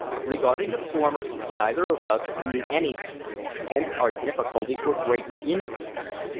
Regarding the former, neither of us knew anything; hence our difficulties were greatly increased.